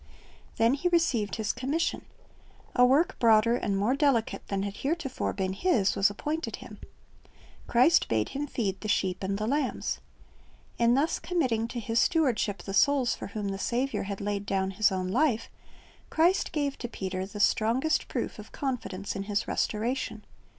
"' Then he received his commission. A work broader and more delicate than had heretofore been his was appointed him. Christ bade him feed the sheep and the lambs. In thus committing to his stewardship the souls for whom the Saviour had laid down His own life, Christ gave to Peter the strongest proof of confidence in his restoration.